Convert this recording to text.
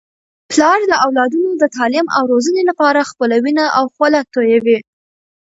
پلار د اولادونو د تعلیم او روزنې لپاره خپله وینه او خوله تویوي.